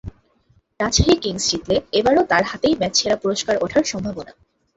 Rajshahi Kings জিতলে এবারও তাঁর হাতেই ম্যাচ সেরা পুরস্কার ওঠার সম্ভাবনা।